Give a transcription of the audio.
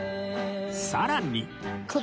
さらに